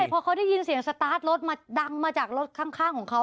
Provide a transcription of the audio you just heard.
พอเขาได้ยินเสียงสตาร์ทรถมาดังมาจากรถข้างของเขา